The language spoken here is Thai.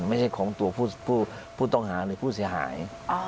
ไม่ใช่ของตัวผู้ต้องหาหรือผู้เสียหาย